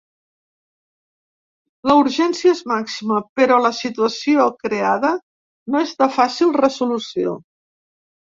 La urgència és màxima, però la situació creada no és de fàcil resolució.